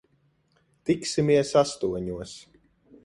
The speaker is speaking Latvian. Tiksimies astoņos.